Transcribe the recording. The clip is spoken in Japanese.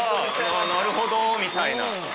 なるほどみたいな。